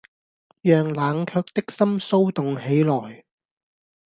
讓冷卻的心騷動起來